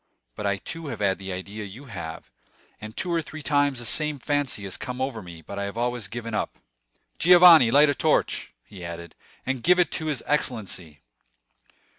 But I too have had the idea you have, and two or three times the same fancy has come over me; but I have always given it up. Giovanni, light a torch," he added, "and give it to his excellency."